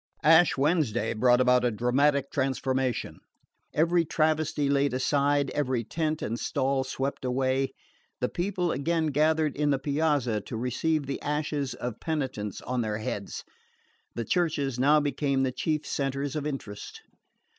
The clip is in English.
Ash Wednesday brought about a dramatic transformation. Every travesty laid aside, every tent and stall swept away, the people again gathered in the Piazza to receive the ashes of penitence on their heads, the churches now became the chief centres of interest.